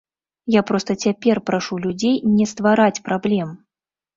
Я проста цяпер прашу людзей не ствараць праблем.